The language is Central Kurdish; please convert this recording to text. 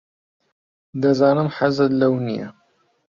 دەزانم حەزت لەو نییە.